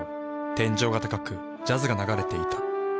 天井が高くジャズが流れていた。